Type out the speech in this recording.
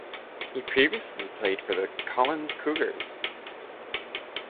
He previously played for the Collin Cougars.